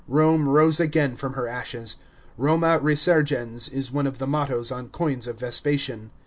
Rome rose again from her ashes ; Roma resurgens is one of the mottoes on coins of Vespasian.